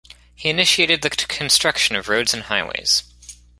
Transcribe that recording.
He initiated the construction of roads and highways.